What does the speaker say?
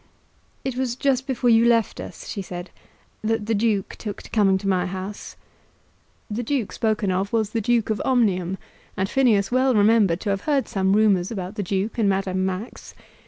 "It was just before you left us," she said, "that the Duke took to coming to my house." The duke spoken of was the Duke of Omnium, and Phineas well remembered to have heard some rumours about the Duke and Madame Max.